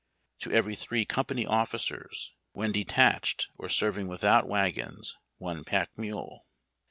To every three company officers, when detached or serving without wagons, 1 pack mule.